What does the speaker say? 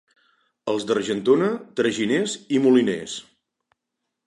Els d'Argentona, traginers i moliners.